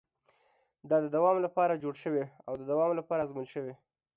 دا د دوام لپاره جوړ شوی او د دوام لپاره ازمول شوی.